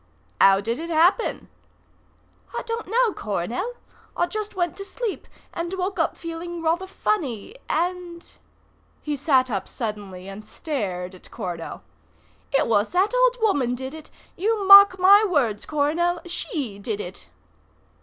"How did it happen?" "I don't know, Coronel. I just went to sleep, and woke up feeling rather funny, and " He sat up suddenly and stared at Coronel. "It was that old woman did it. You mark my words, Coronel; she did it."